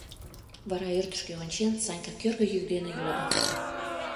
Вара ӧрдыжкӧ ончен, Санька кӧргӧ йӱк дене йодо: